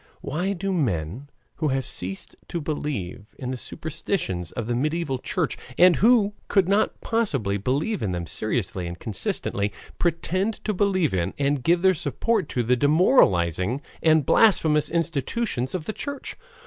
Why do men who have ceased to believe in the superstitions of the mediaeval Church, and who could not possibly believe in them seriously and consistently, pretend to believe in and give their support to the demoralizing and blasphemous institution of the church?